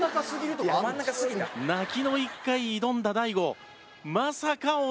泣きの一回挑んだ大悟。